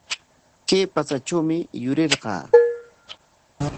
Kay patsatrawmi yurirqaa.